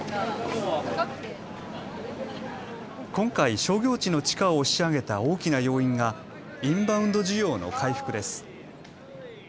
今回、商業地の地価を押し上げた大きな要因がインバウンド需要の回復です。